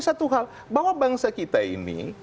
satu hal bahwa bangsa kita ini